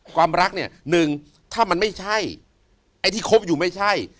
ความรักอยู่อันนึงถ้ามันไม่ใช่ที่คบอยู่ไม่ใช่